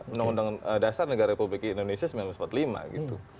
undang undang dasar negara republik indonesia seribu sembilan ratus empat puluh lima gitu